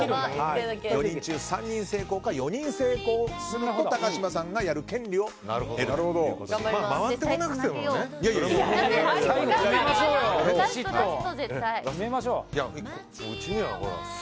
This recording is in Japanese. ４人中３人成功か４人成功だと高嶋さんがやる権利を得るということです。